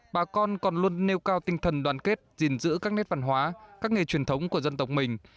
bà con còn luôn nêu cao tinh thần đoàn kết dình giữ các nét văn hóa các nghề truyền thống của dân tộc mình